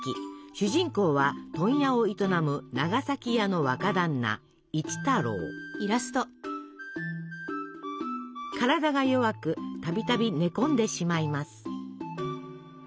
主人公は問屋を営む体が弱く度々寝込んでしまいます。